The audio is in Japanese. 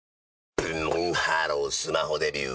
ブンブンハロースマホデビュー！